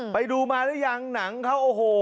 ไปดูมาหรือยังหนังเขาโอ้โห